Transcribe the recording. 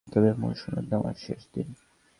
গতকাল ছিল এসব জমা দিয়ে তাঁদের মূল সনদ নেওয়ার শেষ দিন।